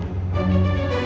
semuanya beres pak